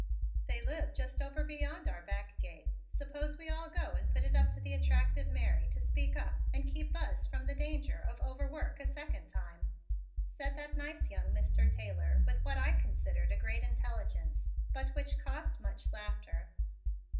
"They live just over beyond our back gate. Suppose we all go and put it up to the attractive Mary to speak up and keep Buzz from the danger of overwork a second time," said that nice young Mr. Taylor with what I considered a great intelligence but which caused much laughter.